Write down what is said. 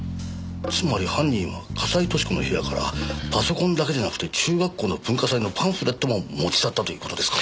つまり犯人は笠井俊子の部屋からパソコンだけでなくて中学校の文化祭のパンフレットも持ち去ったという事ですか？